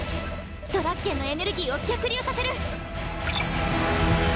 ドラッケンのエネルギーを逆流させる！